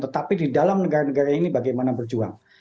tapi di dalam negara negara ini bagaimana berjuang